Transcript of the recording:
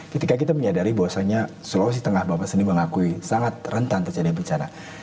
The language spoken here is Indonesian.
ketika kita menyadari bahwasannya sulawesi tengah bapak sendiri mengakui sangat rentan terjadi bencana